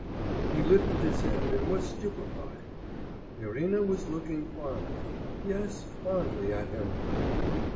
He lifted his head and was stupefied; Irina was looking fondly yes, fondly at him.